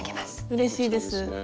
うれしいです。